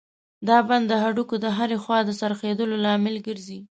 دا بند د هډوکو د هرې خوا د څرخېدلو لامل ګرځي.